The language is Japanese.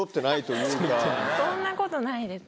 そんなことないです